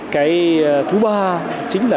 cái thứ ba chính là